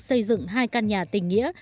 xây dựng hai căn nhà tình nghĩa